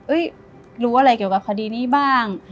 รู้อะไรเกี่ยวกับคดีนี้บ้าง